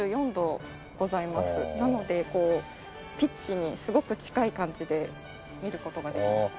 なのでこうピッチにすごく近い感じで見る事ができます。